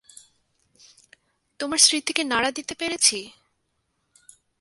তোমার স্মৃতিকে নাড়া দিতে পেরেছি?